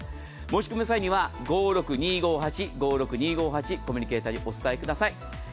申し込みの際には５６２５８５６２５８コミュニケーターにお伝えください。